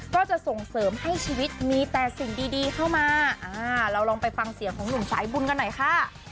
ก็จะส่งเสริมให้ชีวิตมีแต่สิ่งดีเข้ามาเราลองไปฟังเสียงของหนุ่มสายบุญกันหน่อยค่ะ